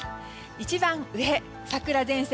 一番上、桜前線